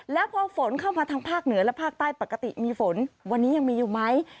แล้วพอฝนเข้ามาทางภาคเหนือและภาคใต้ปกติมีฝนวันนี้ยังมีอยู่ไหม